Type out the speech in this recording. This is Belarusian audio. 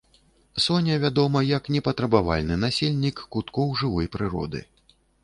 Соня вядома як непатрабавальны насельнік куткоў жывой прыроды.